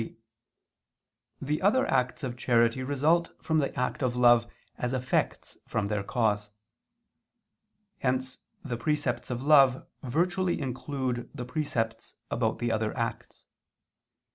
3), the other acts of charity result from the act of love as effects from their cause. Hence the precepts of love virtually include the precepts about the other acts.